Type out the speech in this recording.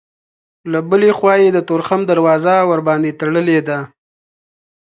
له بلې خوا یې د تورخم دروازه ورباندې تړلې ده.